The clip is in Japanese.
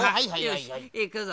よしいくぞ！